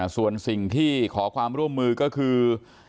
ส่วนสิ่งที่ขอความร่วมมือก็คือ